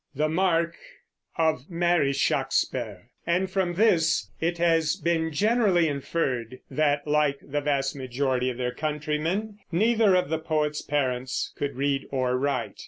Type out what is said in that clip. The marke + of Mary Shacksper"; and from this it has been generally inferred that, like the vast majority of their countrymen, neither of the poet's parents could read or write.